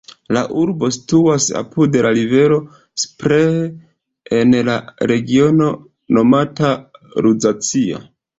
La urbo situas apud la rivero Spree en la regiono nomata Luzacio.